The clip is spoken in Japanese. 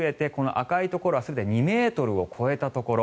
赤いところはすでに２ｍを超えたところ。